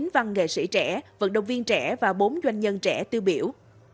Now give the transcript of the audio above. chín văn nghệ sĩ trẻ vận động viên trẻ và bốn doanh nhân trẻ tiêu biểu